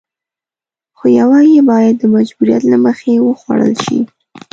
خو يوه يې بايد د مجبوريت له مخې وخوړل شي.